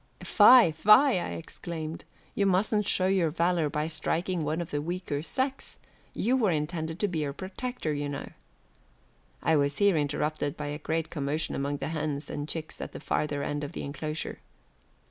"Fie, fie," I exclaimed, "you musn't show your valor by striking one of the weaker sex. You were intended to be her protector, you know." I was here interrupted by a great commotion among the hens and chicks at the farther end of the enclosure.